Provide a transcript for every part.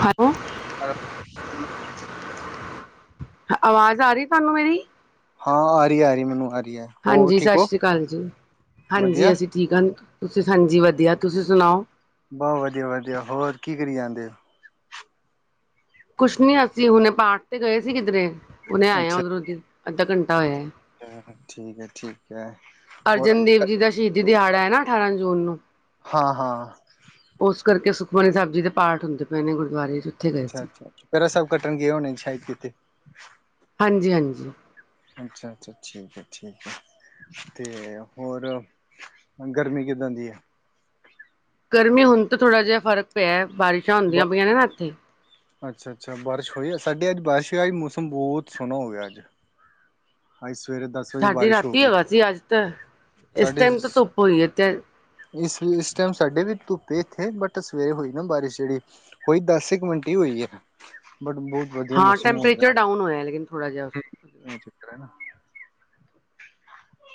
Hello, ਆਵਾਜ਼ ਆ ਰਹੀ ਤੁਹਾਨੂੰ ਮੇਰੀ ਹਾਂ। ਆ ਰਹੀ ਆ ਰਹੀ ਮੈਨੂੰ ਆਰੀ ਹਾਂਜੀ ਸਤਿ ਸ੍ਰੀ ਅਕਾਲ ਜੀ ਹਾਂਜੀ ਵਧੀਆ ਅਸੀਂ ਠੀਕ ਹਾਂ ਤੁਸੀਂ ਹਾਂਜੀ ਵਧੀਆ ਤੁਸੀਂ ਸੁਣਾਓ ਬਹੁਤ ਵਧੀਆ ਵਧੀਆ ਹੋਰ ਕੀ ਕਰੀ ਜਾਂਦੇ ੳ ਕੁਛ ਨੀ ਅਸੀਂ ਹੁਣੇ ਪਾਠ ਤੇ ਗਏ ਸੀ, ਕਿਧਰੇ- ਉਹਨੇ ਆਇਆ ਉਧਰੋਂ ਦੀ ਅੱਧਾ ਘੰਟਾ ਹੋਇਆ ਹੈ। ਹ ਠੀਕ ਹੈ ਠੀਕ ਹੈ ਹੋਰ ਅਰਜਨ ਦੇਵ ਜੀ ਦਾ ਸ਼ਹੀਦੀ ਦਿਹਾੜਾ ਹੈ ਨਾ ਅਠਾਰਾਂ ਜੂਨ ਨੂੰ ਹਾਂ ਹਾਂ। ਉਸ ਕਰਕੇ ਸੁਖਮਣੀ ਸਾਹਿਬ ਜੀ ਦੇ ਪਾਠ ਹੁੰਦੇ ਪਏ ਨੇ ਗੁਰਦੁਆਰੇ ਉੱਥੇ ਗਏ ਅੱਛਾ ਸੀ। ਅੱਛਾੱ ਪੈਰੇ ਸਕਟ ਕੱਟਣਗੇ ਹੋਣੇ ਸ਼ਾਇਦ ਕਿਤੇ ਹਾਂਜੀ-ਹਾਂਜੀ, ਅੱਛਾ ਅੱਛਾ ਠੀਕ ਹੈ ਠੀਕ ਹੈ ਤੇ ਹੋਰ ਗਰਮੀ ਕਿੱਦਾਂ ਦੀ ਐ ਗਰਮੀ ਹੁਣ ਥੋੜਾ ਜਿਹਾ ਫਰਕ ਪਿਆ ਬਾਰਿਸ਼ਾਂ ਬ ਹੁੰਦੀਆਂ ਪਈਆਂ ਨੇ ਨਾ ਇੱਥੇ ਅੱਛਾ ਅੱਛਾ ਬਾਰਿਸ਼ ਹੋਈ ਆ ਸਾਡੀੇ ਅੱਜ ਬਾਰਿਸ਼ ਆ ਮੌਸਮ ਬਹੁਤ ਸੋਹਣਾ ਹੋ ਗਿਆ ਅੱਜ ਅੱਜ ਸਵੇਰੇ ਦਸ ਵਜੇ ਸਾਡੀ ਬਾਰਿਸ਼ ਹੋ ਰਾਤੀ ਗਈ ਹੈਗਾ ਸੀ ਅੱਜ ਤਾਂ ਇਸ ਸਾਡੇ ਟਾਈਮ ਤਾਂ ਧੁੱਪ ਹੋਈ ਹੈ ਤੇ ਇਸ ਇਸ ਟਾਈਮ ਸਾਡੇ ਵੀ ਧੁੱਪ ਇੱਥੇ ਬਟ ਸਵੇਰੇ ਹੋਈ ਨਾ ਬਾਰਿਸ਼ ਜਿਹੜੀ ਹੋਈ ਦਸ ਇਕ ਮਿੰਟ ਹੋਈ ਹੈ ਬਟ, ਬਹੁਤ ਵਧੀਆ ਹਾਂ ਮੌਸਮ ਹੋ ਗਿਆ ਟੈਂਪਰੇਚਰ ਡਾਊਨ ਹੋਇਆ ਲੇਕਿਨ ਥੋੜਾ ਜਿਹਾ। ਅੱਜ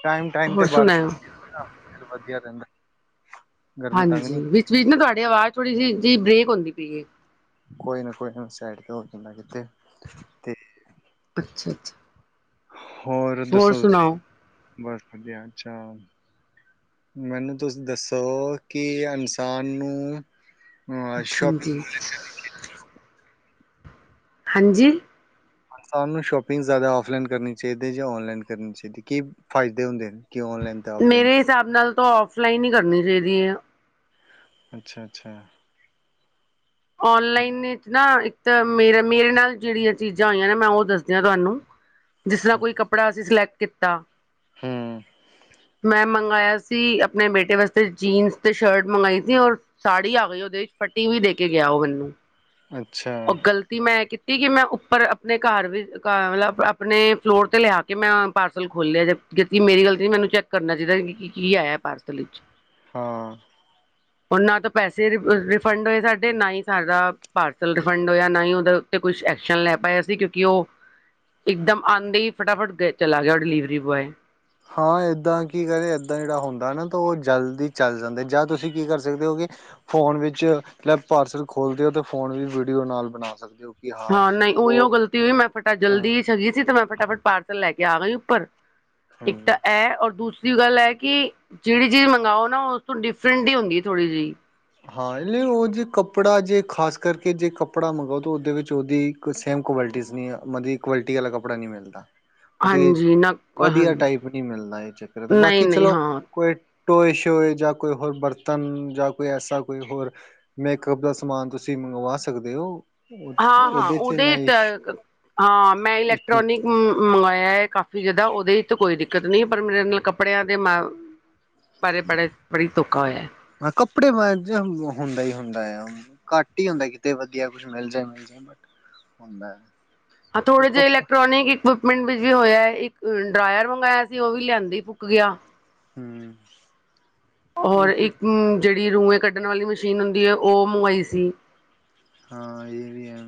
ਟਾਈਮ ਟਾਈਮ ਤੇ ਹੋਰ ਬਾਰਿਸ਼ ਸੁਣਾਓ ਵਧੀਆ ਰਹਿੰਦਾ ਗਰਮੀ ਤੰਗ ਹਾਂਜੀ ਨੀ ਵਿੱਚ ਨਾ ਤੁਹਾਡੀ ਆਵਾਜ਼ ਥੋੜੀ ਜਿਹੀ ਜਿਹੀ ਬ੍ਰੇਕ ਹੁੰਦੀ ਪਈ ਹੈ ਕੋਈ ਨਾ ਕੋਈ ਨਾ ਸਾਈਡ ਤੇ ਹੋ ਕਿਦਾ ਕਿੱਥੇ ਅੱਛਾ ਅੱਛਾ ਹੋਰ ਦੱਸੋ ਤੁਸੀਂ ਸੁਣਾਓ ਬਸ, ਵਧੀਆ ਅੱਛਾ ਮੈਨੂੰ ਤੁਸੀਂ ਦੱਸੋ ਕਿ ਇਨਸਾਨ ਨੂੰ ਅ ਸ਼ੋਪਿੰਗ ਹਾਂਜੀ ਹਾਂਜੀ ਸਾਨ ਨੂੰ ਸ਼ੋਪਿੰਗ ਜ਼ਿਆਦਾ ਆਫਲਾਈਨ ਕਰਨੀ ਚਾਹੀਦੀ ਜਾਂ ੳਨਲਾਈਨ ਕਰਨੀ ਚਾਹੀਦੀ ਕੀ ਫਾਇਦੇ ਹੁੰਦੇ ਨੇ ਕਿਉਂ ਔਨਲਾਈਨ ਤੇ ਔਫਲਾਈਨ ਮੇਰੇ ਹਿਸਾਬ ਨਾਲ ਤਾਂ ੳਫਲਾਈਨ ਹੀ ਕਰਨੀ ਚਾਹੀਦੀ ਹੈ। ਅੱਛਾ ਅੱਛਾ ਔਨਲਾਈਨ ਇਤਨਾ ਤੇ ਮੇਰਾ ਮੇਰੇ ਨਾਲ ਜਿਹੜੀਆਂ ਚੀਜ਼ਾਂ ਹੋਈਆਂ ਨੇ ਮੈਂ ਉਹ ਦੱਸਦਿਆਂ ਤੁਹਾਨੂੰ ਜਿਸ ਤਰ੍ਹਾਂ ਕੋਈ ਕੱਪੜਾ ਅਸੀਂ ਸੈਲਕਟ ਕਿੱਤਾ ਹੂੰ ਮੈਂ ਮੰ ਮੰਗਵਾਇਆ ਸੀ ਆਪਣੇ ਬੇਟੇ ਵਾਸਤੇ ਜੀਨਸ ਤੇ ਸ਼ਰਟ ਮੰਗਵਾਈ ਸੀ ਔਰ ਸਾੜੀ ਆ ਗਈ ਉਹਦੇ ਵਿੱਚ ਫਟੀ ਵੀ ਦੇਖੀ। ਕਿ ਗਿਆ ਉਹ ਮੈਨੂੰ ਅੱਛਾ ਉਹ ਗ਼ਲਤੀ ਮੈਂ ਕੀਤੀ ਕੀਤੀ ਮੈਂ ਉੱਪਰ ਆਪਣੇ ਘਰ ਮਤਲਬ ਆਪਣੇ ਫਲੋਰ ਤੇ ਲਿਆ ਕੇ ਮੈਂ ਪਾਰਸਲ ਖੋਲਿਆ ਮੇਰੀ ਗਲਤੀ ਮੈਨੂੰ ਚੈੱਕ ਕਰਨਾ ਚਾਹੀਦਾ ਕੀ ਕੀ ਆਇਆ ਪਾਰਸਲ ਵਿੱਚ ਹਾਂ ਹੁਣ ਨਾ ਤਾਂ ਪੈਸੇ ਰਿਫੰਡ ਹੋਏ ਸਾਡੇ ਨਾ ਹੀ ਸਾਡਾ ਪਾਰਸ ਰਿਫੰਡ ਹੋਇਆ ਨਾ ਹੀ ਉਹਦੇ ਉੱਤੇ ਕੁਛ ਐਕਸ਼ਨ ਲੈ ਪਾਇਆ ਸੀ ਕਿਉਂਕਿ ਉਹ ਇੱਕਦਮ ਆਉਂਦੇ ਹੀ ਫਟਾਫਟ ਚਲਾ ਗਿਆ ਉਹ ਡਿਲੀਵਰੀ ਬੋਆਏ ਹਾਂ ਏਦਾਂ ਕੀ ਕਰੇ ਏਦਾਂ ਜਿਹੜਾ ਹੁੰਦਾ ਨਾ ਤਾਂ ਉਹ ਜਲਦੀ ਚੱਲ ਜਾਂਦੇ ਜਾਂ ਤੁਸੀਂ ਕੀ ਕਰ ਸਕਦੇ ਹੋ ਕਿ ਫੋਨ ਵਿੱਚ ਲੈ ਪਾਰਸਲ ਖੋਲਦੇ ਹੋ ਤੇ ਫੋਨ ਵਿੱਚ ਵੀਡੀਓ ਨਾਲ ਬਣਾ ਸਕਦੇ ਹੋ ਹਾਂ ਨਹੀਂ ਉਹੀ ਉਹ ਗਲਤੀ ਹੋਈ ਮੈਂ ਫਟਾਫਟ ਹੂੰ ਜਲਦੀ ਚਲੀ ਸੀ ਤੇ ਮੈਂ। ਫਟਾਫਟ ਪਾਰਸਲ ਲੈ ਕੇ ਆ ਗਈ ਉੱਪਰ ਇੱਕ ਤਾਂ ਹੂੰ ਹੈ ਔਰ ਦੂਸਰਾ ਗੱਲ ਹੈ ਕਿ ਜਿਹੜੀ ਜਿਹੜੀ ਮੰਗਵਾਓ ਨਾ ਉਸ ਤੋਂ ਡਿਫਰੈਂਟ ਹੀ ਹੁੰਦੀ ਥੋੜ੍ਹੀ ਜਿਹੀ। ਹਾਂ ਉਹ ਜੇ ਕੱਪੜਾ ਜੇ ਖ਼ਾਸ ਕਰਕੇ ਜੇ ਕੱਪੜਾ ਮੰਗਾਓ ਤਾਂ ਉਹਦੇ ਵਿੱਚ ਉਹਦੀ ਸੇਮ ਕੁਆਲਟੀ ਮਤਲਬ ਕੁਆਲਿਟੀ ਵਾਲਾ ਕੱਪੜਾ ਨਹੀਂ ਮਿਲਦਾ। ਮਤਲਬ ਕਿ ਹਾਂਜੀ ਨਾ ਵਧੀਆ ਹਾਂਜੀ ਟਾਈਪ ਨਹੀਂ ਮਿਲਦਾ ਇਹ ਚੱਕਰ ਤਾਂ ਨਹੀਂ ਬਾਕੀ ਨਹੀਂ ਚਲੋ ਹਾਂ ਕੋਈ। ਟੋਏ ਸ਼ੋਏ ਜਾਂ ਕੋਈ ਹੋਰ ਬਰਤਨ ਜਾਂ ਕੋਈ ਐਸਾ ਕੋਈ ਹੋਰ ਮੇਕਅਪ ਦਾ ਸਮਾਨ ਤੁਸੀਂ ਮੰਗਵਾ ਸਕਦੇ ਹੋ। ਉਹ ਹਾਂ ਹਾਂ ਚ ਨਾ ਉਹਦੇ ਇਸ਼ੂ ਹਾਂ ਮੈਂ ਇਲੈਕਟ੍ਰੋਨਿਕ ਮੰਗਵਾ। ਕਾਫ਼ੀ ਜਿਆਦਾ ਉਹਦੇ ਤਾਂ ਕੋਈ ਦਿੱਕਤ ਨਹੀਂ ਪਰ ਮੇਰੇ ਨਾਲ ਕੱਪੜਿਆਂ ਦੇ ਬਾਰੇ ਬੜੇ ਵਾਰੀ ਧੋਖਾ ਹੋਇਆ। ਹ ਕੱਪੜੇ ਹੁੰਦਾ ਹੀ ਹੁੰਦਾ ਆ ਘੱਟ ਹੀ ਹੁੰਦਾ ਕਿਤੇ ਵਧੀਆ ਕੁਛ ਮਿਲ ਜਾ ਮਿਲ ਜਾ ਬਟ ਹੁੰਦਾ ਆ ਤੇ ਥੋੜੇ ਜੇ ਕੱਪ ਇਲੈਕਟ੍ਰੋਨਿਕ ਮਿੰਟ ਵਿੱਚ ਵੀ ਹੋਇਆ ਇੱਕ ਡਰਾਇਰ ਮੰਗਾਇਆ ਸੀ ਉਹ ਵੀ ਲਿਆਂਦੀ ਫੁਕ ਗਿਆ। ਹਮ ਉਹ ਹੋਰ ਫਿਰ ਇੱਕ ਜਿਹੜੀ ਰੂਏ ਕੱਢਣ ਵਾਲੀ ਮਸ਼ੀਨ ਹੁੰਦੀ ਹੈ ਉਹ ਮੰਗਵਾਈ ਸੀ। ਸੀ। ਹਾਂ ਇਹ ਵੀ ਹੈ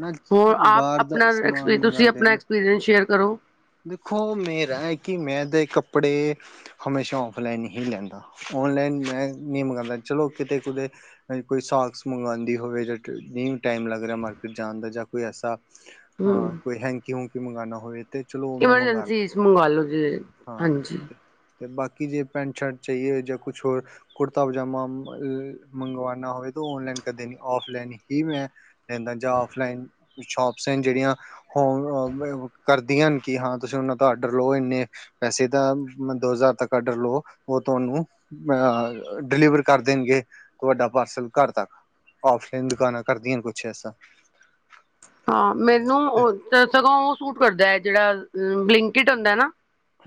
ਨਾ ਹੋਰ ਆਪ ਬਾਹਰ ਦਾ ਆਪਣਾ ਸਮਾਨ ਤੁਸੀਂ ਮੰਗਵਾਉਂਦੇ ਆਪਣਾ ਐਕਸਪੀਰੀਅਸ ਸ਼ੇਅਰ ਕਰੋ। ਦੇਖੋ ਮੇਰਾ ਹੈ ਕਿ ਮੈਂ ਤਾਂ ਕੱਪੜੇ ਹਮੇਸ਼ਾ ਔਫਲਾਈੰਨ ਹੀ ਲੈਂਦਾ ਔਨਲਾਈਨ ਮੈਂ ਨਹੀਂ ਮੰਗਵਾਉਂਦਾ ਚਲੋ ਕਿਤੇ ਕੁਤੇ ਕੋਈ ਸਾਕਸ ਮੰਗਵਾਉਂਦੀ ਹੋਵੇ ਜਾਂ ਨ ਟਾਈਮ ਲੱਗ ਰਿਹਾ ਮਾਰਕੀਟ ਜਾਣ ਦਾ ਜਾਂ ਕੋਈ ਐਸਾ। ਹਾਂ ਕੋਈ ਹੈਂਕੀ ਹੁੰਕੀ ਮੰਗਾਨਾ। ਹੋਏ। ਇਮਰਜੈਂਸੀ ਮੰਗਾਲੋ ਜੇ ਹਾਂਜੀ। ਤੇ ਬਾਕੀ ਜੇ ਪੈਂਟ ਸ਼ਰਟ ਚਾਹੀਏ ਜਾਂ ਕੁਛ ਹੋਰ ਕੁੜਤਾ ਪਜਾਮਾ ਮੰਗਵਾਨਾ ਹੋਵੇ ਤਾਂ ਓਨਲਾਈਨ ਕਦੇ ਨੀ ਆਫਲਾਈਨ ਹੀ ਮੈਂ ਲੈਂਦਾ ਜਾਂ ਆਫਲਾਈਨ ਸ਼ੋਪਸ ਹੈ ਜਿਹੜੀਆਂ ਹੋ। ਕਰਦੀਆਂ ਹਨ ਕਿ ਹਾਂ ਤੁਸੀਂ ਉਹਨਾਂ ਤੋਂ ਆਡਰ ਲਓ ਇੰਨੇ ਪੈਸੇ ਦਾ ਦੋ ਹਜ਼ਾਰ ਤੱਕ ਆਡਰ ਲਓ ਉਹ ਤੁਹਾਨੂੰ ਅ ਡਿਲੀਵਰ ਕਰ ਦੇਣਗੇ ਤੁਹਾਡਾ ਪਾਰਸਲ ਘਰ ਤੱਕ ਆਫਲਾਈਨ ਦੁਕਾਨਾਂ ਕਰਦੀਆਂ ਨੇ ਕੁਛ ਐਸਾ। ਹਾਂ ਮੈਨੂੰ ਉਹ ਸਗੋਂ ਉਹ ਸੂਟ ਕਰਦਾ ਹੈ। ਜਿਹੜਾ ਬਲਿੰਕਿਟ ਹੁੰਦਾ ਨਾ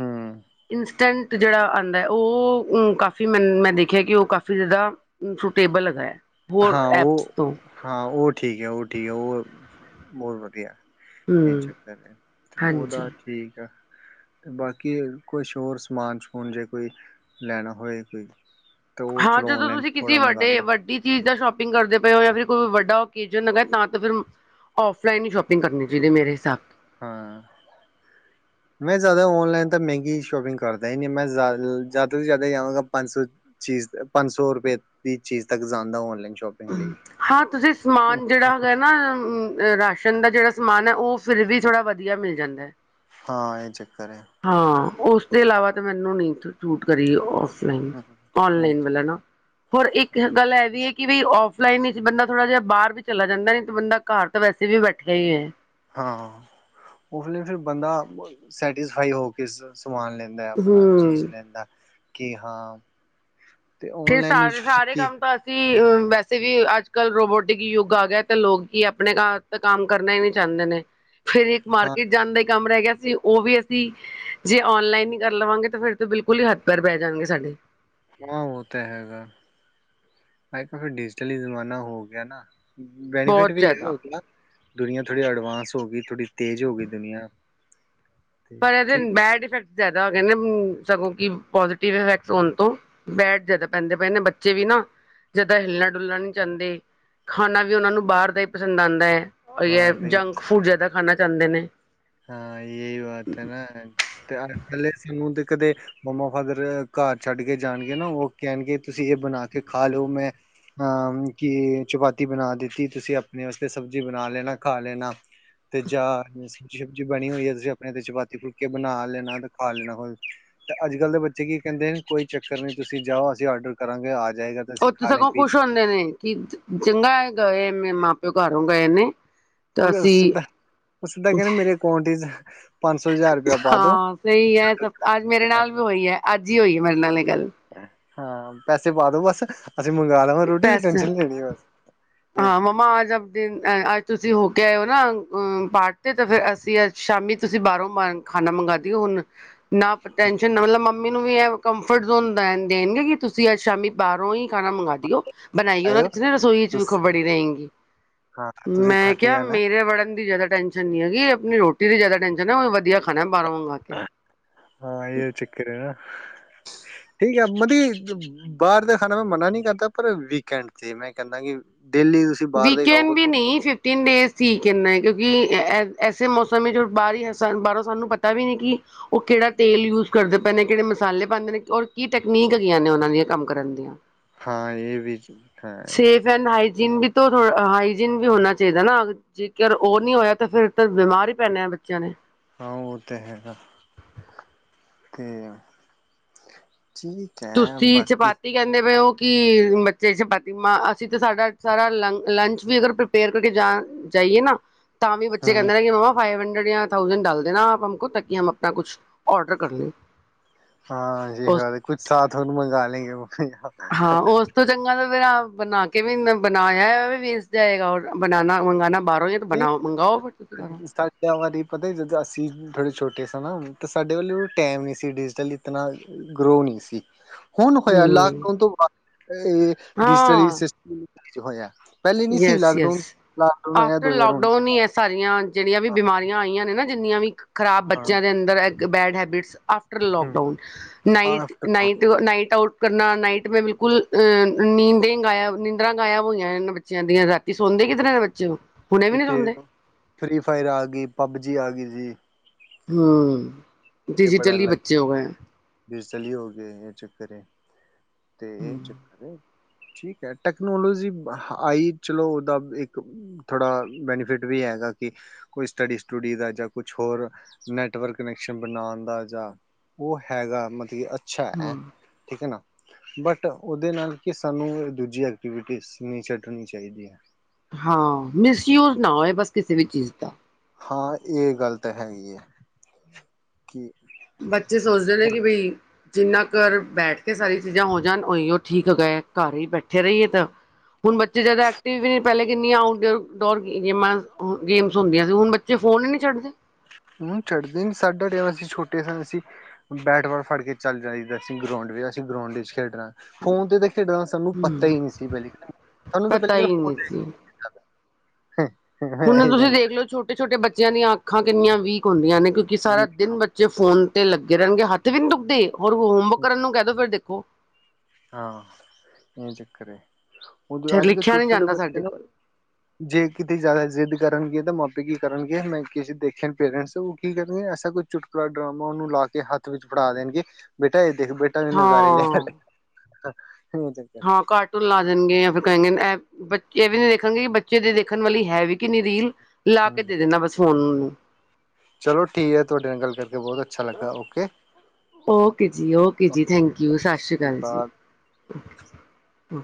ਹਮ ਇੰਸਟੈਂਟ ਜਿਹੜਾ ਆਉਂਦਾ ਉਹ ਕਾਫੀ ਮੈ ਮੈਂ ਦੇਖਿਆ ਕਿ ਉਹ ਕਾਫੀ ਜ਼ਿਆਦਾ ਸੂਟੇਬਲ ਹੈਗਾ ਹੈ। ਹੋਰ ਹਾਂ ਐਪਸ ਉਹ ਤੋਂ ਹਾਂ ਉਹ ਠੀਕ ਹੈ ਉਹ ਠੀਕ ਹੈ ਉਹ ਬਹੁਤ ਵਧੀਆ ਹੈ। ਉਹਦੇ ਹਮ ਚੱਕਰ ਹਾਂਜੀ ਉਹਦਾ ਠੀਕ ਆ। ਬਾਕੀ ਕੁਛ ਹੋਰ ਸਮਾਨ ਸਮੂਨ ਜੇ ਕੋਈ ਲੈਣਾ ਹੋਵੇ ਤੇ? ਉਹ ਹਾਂ ਚਲੋ ਜਦੋਂ ਔਨਲਾਈਨ ਤੁਸੀਂ ਕਿਸੇ ਥੋੜਾ ਮੰਗਵਾ ਵੱਡੇ ਲੈਂਦਾ ਵੱਡੀ ਚੀਜ਼ ਦਾ ਸ਼ੌਪਿੰਗ। ਸ਼ੌਪਿੰਗ ਕਰਦੇ ਪਏ ਹੋ ਜਾਂ ਫੇਰ ਕੋਈ ਵੱਡਾ ਓਕੇਜਨ ਹੈਗਾ ਤਾਂ ਫਿਰ ਔਫਲਾਈਨ ਹੀ ਸ਼ੋਪਿੰਗ ਕਰਨੀ ਚਾਹੀਦੀ ਮੇਰੇ ਹਿਸਾਬ? ਹਾਂ ਮੈਂ ਜ਼ਿਆਦਾ ਓਨਲਾਈਨ ਤਾਂ ਮਹਿੰਗੀ ਸ਼ੋਪਿੰਗ ਕਰਦਾ ਹੀ ਨਹੀਂ ਮੈਂ ਜ਼ਿਆਦਾ ਤੋਂ ਜ਼ਿਆਦਾ ਜਾਵਾਂਗਾ ਪੰਜ ਸੌ ਚੀਜ਼ ਪੰਜ ਸੌ ਰੁਪਏ ਦੀ ਚੀਜ਼ ਤੱਕ ਜਾਂਦਾ ਔਨਲਾਈਨ। ਸ਼ੋਪਿੰਗ ਹੂੰ ਲਈ ਹਾਂ ਤੁਸੀਂ ਸਮਾਨ ਜਿਹੜਾ ਹੈਗਾ ਨਾ ਅ ਰਾਸ਼ਨ ਦਾ ਜਿਹੜਾ ਸਮਾਨ ਹੈ ਉਹ। ਫਿਰ ਵੀ ਥੋੜਾ ਵਧੀਆ ਮਿਲ ਜਾਂਦਾ ਐ । ਹਾਂ ਇਹ ਚ। ਹਾਂ। ਉਸ ਤੋਂ ਇਲਾਵਾ ਤਾਂ ਮੈਨੂੰ ਨਹੀਂ ਸੂਟ ਕਰੀ ਉਹ। ਔਫਲਾਈਨ ਔਨਲਾਈਨ ਵਾਲਾ ਨਾ ਹੋਰ ਇੱਕ ਗੱਲ ਇਹ ਵੀ ਹੈ? ਕਿ ਬਈ ਔਫਲਾਈਨ ਹੀ ਬੰਦਾ ਥੋੜ੍ਹਾ ਜਿਹਾ ਬਾਹਰ ਵੀ ਚਲਾ ਜਾਂਦਾ ਨੀ ਤੇ ਬੰਦਾ ਘਰ ਤਾਂ ਵੈਸੇ ਵੀ ਬੈਠਿਆ ਹੀ ਹੈ। ਹਾਂ ਉਹ ਔਫਲਾਈਨ ਤੇ ਬੰਦਾ ਸੈਟਿਸਫਾਈ ਹੋ ਕੇ। ਸਮਾਨ ਲੈਂਦਾ ਹੈ ਆਪਣਾ ਹਮ ਚੀਜ਼ ਲੈਂਦਾ। ਕਿ ਹਾਂ। ਤੇ ਫੇਰ ਔਨਲਾਈਨ ਸਾਰੇ ਸਾਰੇ ਕੀ ਕੰਮ ਤਾਂ ਅਸੀਂ ਅ। ਵੈਸੇ ਵੀ ਅੱਜ ਕੱਲ੍ਹ ਰੋਬੋਟਿਕ ਯੁੱਗ ਆ ਗਿਆ ਤੇ ਲੋਕੀ ਆਪਣੇ ਘਰ ਦਾ ਕੰਮ ਕਰਨਾ ਹੀ ਨਹੀ ਚਾਹੁੰਦੇ ਨੇ। ਫੇਰ ਇੱਕ ਹਾਂ ਮਾਰਕੀਟ ਜਾਣ ਦਾ ਕੰਮ। ਉਹ ਰਹਿ ਗਿਆ ਸੀ ਉਹ ਵੀ ਅਸੀਂ ਜੇ ਔਨਲਾਈਨ ਹੀ ਕਰ ਲਵਾਂਗੇ ਤਾਂ ਫੇਰ ਤੇ ਬਿਲਕੁਲ ਹੀ ਹੱਥ ਪੈਰ ਬਹਿ ਜਾਣਗੇ ਸਾਡੇ। ਹਾਂ ਉਹ ਤਾਂ ਹੈਗਾ ਹੈ ਅੱਜ ਕੱਲ ਫਿਰ ਡਿਜੀਟਲ ਜ਼ਮਾਨਾ ਹੋ ਗਿਆ ਨਾ? ਬੈਨੀਫਿਟ ਬਹੁਤ ਵੀ ਹੈਗਾ ਹੈ ਜ਼ਿਆਦਾ ਉਹਦੇ ਨਾ। ਦੁਨੀਆਂ ਥੋੜ੍ਹੀ ਐਡਵਸ ਹੋ ਗਈ ਥੋੜੀ। ਤੇਜ਼ ਹੋ ਗਈ ਦੁਨੀਆਂ। ਪਰ ਇਹਦੇ ਬੈਡ ਇਫੈਕਟ ਜ਼ਿਆਦਾ ਹੋ ਗਏ ਹੂੰ ਸਗੋਂ। ਕਿ ਪੋਜ਼ਟਿਵ ਇਫੈਕਟ ਹੋਣ ਤੋਂ ਬੈਡ ਜ਼ਿਆਦਾ ਪੈਂਦੇ ਪਏ ਨੇ ਬੱਚੇ ਵੀ ਨਾ ਜਿਆਦਾ ਹਿੱਲਣ ਡੁਲਣ ਨਹੀਂ ਜਾਦੇ ਖਾਣਾ ਵੀ ਉਹਨਾਂ ਨੂੰ ਬਾਹਰ ਦਾ ਹੀ ਪਸੰਦ ਆਉਂਦਾ ਹੈ। ਉਹੀ ਹੈਂ ਜੰਕ ਫੂਡ ਜਿਆਦਾ ਖਾਣਾ ਚਾਹੁੰਦੇ ਨੇ? ਜਵਾਕ ਤਾਂ ਨਾ ਤੇ ਹਰ ਕਲੇਸ਼ੀ ਮੂੰਹ ਦੇ। ਕਦੇ ਮੰਮਾ ਫਾਦਰ ਘਰ ਛੱਡ ਕੇ ਜਾਣਗੇ ਨਾ ਉਹ ਕਹਿਣਗੇ ਤੁਸੀਂ ਇਹ ਬਣਾ ਕੇ ਖਾ ਲੋ ਮੈਂ ਅਹ ਕੀ ਚਪਾਤੀ ਬਣਾ ਦਿੱਤੀ ਤੁਸੀਂ ਆਪਣੇ ਵਾਸਤੇ ਸਬਜ਼ੀ। ਸਬਜ਼ੀ ਬਣਾ ਲੈਣਾ ਖਾ ਲੈਣਾ ਤੇ ਜਾਂ ਸਬਜ਼ੀ ਬਣੀ ਹੋਈ ਹੈ ਤੁਸੀਂ ਆਪਣੇ ਤੇ ਚਪਾਤੀ ਫੁੱਲਕੇ ਬਣਾ ਲੈਣਾ ਤੇ ਖਾ ਲੈਣਾ ਤੇ ਅੱਜ ਕੱਲ ਦੇ ਬੱਚੇ ਕੀ ਕਹਿੰਦੇ ਨੇ ਕੋਈ ਚੱਕਰ ਨੀ ਤੁਸੀਂ ਜਾਓ ਅਸੀਂ ਆਰਡਰ ਕਰਾਂਗੇ। ਜਾਏਗਾ ਤੇ ਅਸੀਂ ਉਹ ਤੋ ਖਾ ਲੇ ਸਗੋਂ ਪੀ ਖੁਸ਼ ਹੁੰਦੇ ਨੇ ਕਿ ਚੰਗਾ ਹੋਇਆ ਗਏ ਮਾਂ ਪਿਓ ਘਰ। ਕਿਉਂ ਗਏ ਨੇ। ਉਹ ਤਾਂ ਵੀ ਉਹ ਅਸੀਂ ਸਿੱਧਾ ਉਹ ਸਿੱਧਾ ਕਹੈ ਰਹਿਆ ਮੇਰੇ ਅਕਾਊਂਟ ਚ ਪੰਜ ਸੌ ਹਜ਼ਾਰ ਰੁਪਇਆ ਪਾ ਦੋ। ਹਾਂ ਸਹੀ ਹੈ ਸਭ ਅੱਜ ਮੇਰੇ ਨਾਲ ਵੀ ਹੋਈ ਹੈ ਅੱਜ ਹੀ ਹੋਈ ਹੈ ਮੇਰੇ ਨਾਲ ਇੱਕ। ਗੱਲ। ਹਾਂ ਪੈਸੇ ਪਾਦੋ ਬਸ ਮੰਗਵਾ ਲਵਾਂ ਰੋਟੀ ਦੀ ਪੈਸੇ ਟੈਨਸ਼ਨ ਲੈਣੀ ਬਸ ਹਾਂ ਮੰਮਾ ਆਜ ਆਪਦੇ ਤੁਸੀਂ ਹੋ ਕੇ ਆਇਓ ਨਾ ਅ ਪਾਰਠ ਤੇ ਤੇ ਫਿਰ ਅਸੀਂ ਅ ਸ਼ਾਮੀ ਤੁਸੀਂ ਬਾਹਰੋਂ ਖਾਣਾ ਮੰਗਵਾ ਦਿਓ ਹੁਣ ਨਾ ਟੈਂਨਸ਼ਨ ਨਾ ਮਤਲਬ ਮ ਨੂੰ ਵੀ ਇਹ ਕੰਫਰਟ ਜ਼ੋਨ ਦੇਣਗੇ ਕਿ ਤੁਸੀਂ ਅੱਜ ਸ਼ਾਮੀ ਬਾਹਰੋਂ ਹੀ ਖਾਣਾ ਮੰਗਵਾ ਬਣਾਈਏ ਉਹ ਆਇਓ ਕਿ ਰਸੋਈ ਚੂਖ ਤੁਸੀਂ ਬੜੀ ਰਹੇਗੀ ਹਾਂ ਤੁਸੀਂ ਮੈਂ ਥੱਕ ਕਿਹਾਿਆ ਜਾਣਾ ਮੇਰੇ ਵੜਨ ਦੀ ਜ਼ਿਆਦਾ ਟੈਂਨਸ਼ਨ ਨੀ ਹੈਗੀ ਆਪਣੀ ਰੋਟੀ ਦੀ ਜ਼ਿਆਦਾ ਟੈਨਸ਼ਨ ਹੈ ਵਧੀ ਹਾਂ ਇਹ ਚੱਕਰ ਹੈ ਨਾ ਠੀਕ ਆ ਮਤਲਬ ਬਾਹਰ ਦਾ ਖਾਣਾ ਮੈਂ ਮਨਾ ਨਹੀਂੀ ਕਰਦਾ ਪਰ ਵੀਕਐਂਡ ਤੇ ਮੈਂ ਕਹਿੰਦਾ ਕਿ ਡੇਲੀ ਤੁਸੀਂ ਬਾਹਰ ਦਾ ਹੀ ਵੀਕਂਡ ਵੀ ਖਾਓਗੇ ਨਹੀਂ ਫਿਫਟੀਨ ਡੇਜ਼ ਠੀਕ ਇੰਨਾ ਹੈ ਕਿਉਂਕਿ ਐਸੇ ਮੌਸਮ ਵਿੱਚ ਬਾਹਰ ਬਾਹਰੋਂ ਸਾਨੂੰ ਪਤਾ ਵੀ ਨਹੀਂੀ ਕਿ ਉਹ ਕਿਹੜਾ ਤੇਲ ਯੂਜ ਕਰਦੇ ਪੈਂਦੇ ਨੇ ਕਿਹੜੇ ਮਸਾਲੇ ਪਾਉਂਦੇ ਨੇ ਔਰ ਕੀ ਟੈਕਨੀਕ ਹੈਗੀਆਂ ਨੇ ਉਹਨਾਂ ਦੀਆਂ ਕੰਮ ਕਰਨ ਦੀਆਂ ਹਾਂ ਇਹ ਵੀ ਹਾਂ ਸੇਫ ਐਂਡ ਹਾਈ ਨ ਵੀ ਥੋੜਾ ਹਾਈਜੀਨ ਵੀ ਹੋਣਾ ਚਾਹੀਦਾ ਨਾ ਜੇਕਰ ਉਹ ਨਹੀਂੀ ਹੋਇਆ ਤਾਂ ਫਿਰ ਤਾਂ ਬਿਮਾਰ ਹੀ ਪੈਣਾ ਆ ਬੱਚਿਆਂ ਨੇ ਹਾਂ ਉਹ ਤੇ ਹੈਗਾ ਤੇ ਤੁਸੀ ਚਪਾਤੀ ਕਹਿੰਦੇ ਪਏ ਉਹ ਕਿ ਬੱਚੇ ਚਪਤੀ ਮ ਅਸੀਂ ਤਾਂ ਸਾਡਾ ਸਾਰਾ ਲ ਲੰਚ ਵੀ ਅਗਰ ਪ੍ਰਪੇਅਰ ਕਰਕੇ ਜਾ ਜਾਈਏ ਨਾ ਤਾਂ ਵੀ ਬੱਚੇ ਕਹਿੰਦੇ ਨੇ ਕਿ ਮ ਫਾਈ ਥਣਾ ਤੱਕ ਆਪਣਾ ਕੁਛ ਔਡਰ ਕਰ ਲ ਹਾਂਜੀ ਕੁੱਛ ਸਾਥ ਤੁਹਾਨੂੰ ਮੰਗਵਾ ਲਗੇ ਉਹ ਹਾਂ ਉਸ ਤੋਂ ਚੰਗਾ ਫਿਰ ਬਣਾ ਕੇ ਵੀ ਬਣਾਇਆ ਉਹ ਵੀ ਵੇਚ ਜਾਏਗਾ ਬਨਾ ਮੰਗਾਨਣਾ ਨਹੀਂ ਸਾਡੇ ਵਾਰੀ ਪਤਾ ਜਦੋਂ ਅਸੀਂ ਥੋੜ੍ਹੇ ਛੋਟੇ ਸ ਨਾ ਤੇ ਸਾਡੇ ਵੱਲੋਂ ਟਾਈਮ ਨਹੀਂ ਸੀ ਡਿਜੀਟਲ ਇਤਨਾ ਗਰੋ ਨਹੀਂ ਸੀ ਹੁਣ ਹੋਇਆ ਹੂੰ ਲਾਕਡਾਊਨ ਤੋਂ ਬਾਅਦ ਇਹ ਡਿਜੀਟਲ ਹਾਂ ਸਿਸਟਮ ਸ਼ ਹੋਇਆ ਪਹਿਲੇ ਨੀ ਸੀ ਲਾਕਡਾਊਨ ਲਾਕਡਾਊਨ ਆਇਆ ਦੋ ਹਜ਼ਾਰ ਹੁਣ ਲਾਕਡਾਊਨ ਹੀ ਹੈ ਸਾਰੀਆਂ ਜਿਹੜੀਆਂ ਵੀ ਹਾਂ ਬਿਮਾਰੀਆਂ ਆਈਆਂ ਨੇ ਨਾ ਜਿੰਨੀਆਂ ਵੀ ਖ਼ਰਾਬ ਹਾਂ ਬੱਚਿਆਂ ਦੇ ਅੰਦਰ ਬੈਡ ਹ habits of hmm lockdown night- after night -night out ਕਰਨਾ ਨਾਈਟ ਮੈਂ ਬਿਲਕੁਲ ਅਹ ਨੀਂਦੇ ਗਾਇਆ ਨੀਂਦਰਾਂ ਗਾਇਬ ਹੋਈਆਂ ਨੇ ਬੱ ਬੱਚਿਆਂ ਦੀਆਂ ਰੱਖ ਹਾਂ ਕਿਥੇ ਫ੍ਰੀ ਫਾਇਰ ਆ ਗਈ, ਪਬਜੀ ਆ ਗਈ। ਜੀ, ਹੂੰ, ਡਿਜੀਟਲੀ ਬੱਚੇ ਹੋ ਗਏ ਆ। ਫਿਰਸਲੀ ਹੋ ਗਏ ਇਹ ਚੱਕਰ ਐ। ਤੇ ਇਹ ਚੱਕਰ ਐ। ਠੀਕ ਹੈ ਟੈਕਨੋਲੋਜੀ ਆਈ ਚਲੋ ਉਹਦਾ ਇੱਕ ਥੋੜ੍ਹਾ ਬੈਨੀਫਿਟ ਵੀ ਹੈਗਾ ਕਿ ਕੋਈ ਸਟੱਡੀ ਸਟੂਡੀ ਦਾ ਜਾਂ ਕੁਛ ਹੋਰ ਨੈਟਵਰਕ ਕਨੈਕਸ਼ਨ ਬਣਾਣ ਦਾ ਜਾਂ ਉਹ ਹੈਗਾ ਮਤਲਬ ਕਿ ਅੱ ਅੱਛਾ ਐ ਹਾਂ ਠੀਕ ਹੈ ਨਾ। ਬਟ ਉਹਦੇ ਨਾਲ ਕੀ ਸਾਨੂੰ ਦੂਜੀ ਐਕਟੀਵਿਟੀ ਨਹੀਂ ਛੱਡਣੀ ਚਾਹੀਦੀ। ਹਾਂ ਮਿਸਯੂਜ ਨਾ ਹੋਏ ਬਸ ਕਿਸੇ ਵੀ ਚੀਜ਼ ਦਾ ਹਾਂ ਇਹ ਗੱਲ ਤਾਂ ਹੈਗੀ ਹੈ। ਕਿ ਬੱਚੇ ਸੋਚਦੇ ਨੇ ਕਿ ਬਈ ਜਿੰਨਾ ਘਰ ਬੈਠ ਕੇ ਸਾਰੀਆਂ ਚੀਜ਼ਾਂ ਹੋ ਜਾਣ ਉਹੀ ਉਹ ਠੀਕ ਹੋਗਾ ਘਰ ਹੀ ਬੈਠੇ ਰਹੀਏ ਤਾਂ ਹੁਣ ਬੱਚੇ ਜਿਆਦਾ ਐਕਟਿਵ ਵੀ ਪਹਿਲੇ ਕਿੰਨੀਆਂ ਆਊਟਡੋਰ ਗੇਮਾਂ ਗੇਮਜ਼ ਹੁੰਦੀਆਂ ਸੀ ਹੁਣ ਬੱਚੇ ਫੋਨ ਹੀ ਨਹੀਂ ਛੱਡਦੇ। ਹੁਣ ਛੱਡਦੇ ਨੀ ਸਾਡਾ ਟਾਈਮ ਅਸੀਂ ਛੋਟੇ ਸਾਂ ਅਸੀਂ ਬੈਟ ਬਾਲ ਫੜ ਕੇ ਚੱਲ ਜਾਈਦਾ ਸੀਂ ਗਰਾਉਂਡ ਵਿੱਚ ਅਸੀਂ ਗਰਾਊਂਡ ਵਿੱਚ ਖੇਡਣਾ। ਫੋਨ ਤੇ ਤਾਂ ਖੇਡਣਾ ਸਾਨੂੰ ਪਤਾ ਹਮ ਹੀ ਨਹੀਂ ਸੀ, ਪਹਿਲੀ ਸਾਨੂੰ ਤਾਂ ਪਤਾ ਪਹਿਲੀ ਗੱਲੋਂ ਹੀ ਨਹੀਂ ਸੀ ਹੁਣ ਤੁਸੀਂ ਦੇਖਲੋ ਛੋਟੇ- ਛੋਟੇ ਬੱ ਬੱਚਿਆਂ ਦੀਆਂ ਅੱਖਾਂ ਕਿੰਨੀਆਂ ਵੀਕ ਹੁੰਦੀਆਂ ਨੇ। ਕਿਉਂਕਿ ਸਾਰਾ ਵੀ ਦਿਨ ਬੱਚੇ ਫੋਨ ਤੇ ਲੱਗੇ ਰਹਿਣਗੇ, ਹੱਥ ਵੀ ਨੀ ਦੁਖਦੇ। ਹੋਰ ਹੋਮਵਰਕ ਕਰਨ ਨੂੰ ਕਹਿ ਦੋ ਫਿਰ ਦੇਖੋ ਕੁ ਹਾਂ ਇਹ ਚੱਕਰ ਐ। ਉਹ ਫਿਰ ਅੱਜ ਕੱਲ੍ਹ ਲਿਖਿਆ ਨੀ ਛੋਟੇ- ਛੋਟੇ ਜਾਂਦਾ ਬੱਚੇ ਆ ਸਾਡੇ ਨਾ ਕੋਲ ਜੇ ਕਿਤੇ ਜ਼ਿਆਦਾ ਜ਼ਿੱਦ ਕਰਨਗੇ। ਮਾਪੇ ਕੀ ਕਰਨਗੇ ਮੈਂ ਕਿਸੇ ਦੇਖੇ ਪੇਰੈਂਟਸ ਉਹ ਕੀ ਕਰਨਗੇ ਐਸਾ ਕੋਈ ਚੁਟਕੁਲਾ ਡਰਾਮਾ ਉਹਨੂੰ ਲਾ ਕੇ ਹੱਥ ਵਿੱਚ ਫੜਾ ਦੇਣਗੇ ਬੇਟਾ ਇਹ ਦੇਖ ਬੇਟਾ ਇਹ ਨਜ਼ਾਰੇ ਲੈ। ਹਾਂ [unintelligible] ਹਾਂ ਕਾਰਟੂਨ ਲਾ ਦੇਣਗੇ ਜਾਂ ਫਿਰ ਕਹਿਣਗੇ ਇਹ ਬੱਚੇ ਵੀ ਨੀ ਦੇਖ ਦੇਣਗੇ ਬੱਚੇ ਦੇਖਣ ਵਾਲੀ ਹੈ ਵੀ ਕਿ ਨੀ ਰੀਲ ਲਾ ਕੇ ਦੇ ਦੇ ਦੇਣਾ ਬਸ ਫੋਨ ਉਹਨਾਂ ਨੂੰ। ਚਲੋ ਠੀਕ ਹੈ ਤੁਹਾਡੇ ਨਾਲ ਗੱਲ ਕਰਕੇ ਬਹੁਤ ਅੱਛਾ ਲੱਗਾ, ਓਕੇ। ਓਕੇ ਜੀ ਓਕੇ ਜੀ, ਥੈਂਕ ਯੂ ਸਤਿ ਸ਼੍ਰੀ ਅਕਾਲ ਜੀ। ਹਮ